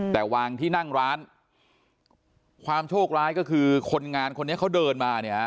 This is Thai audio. แต่วางที่นั่งร้านความโชคร้ายก็คือคนงานคนนี้เขาเดินมาเนี่ยฮะ